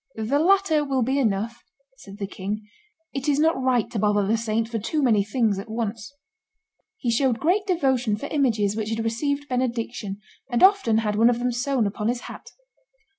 "The latter will be enough," said the king; "it is not right to bother the saint for too many things at once." He showed great devotion for images which had received benediction, and often had one of them sewn upon his hat.